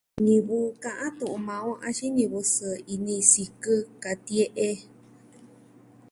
Ñivɨ ka'an tu'un maa on axin ñivɨ sɨɨ ini, sikɨ, katie'e.